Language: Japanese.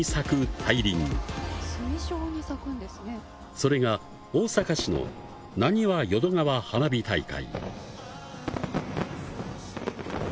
それが大阪市のなにわ淀川花火大会。